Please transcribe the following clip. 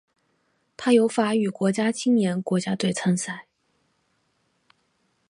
它由法语国家青年国家队参赛。